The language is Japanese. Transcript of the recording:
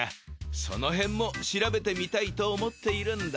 そのへんも調べてみたいと思っているんだ。